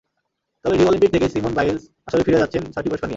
তবে Rio Olympic থেকে Simone Biles আসলে ফিরে যাচ্ছেন ছয়টি পুরস্কার নিয়ে।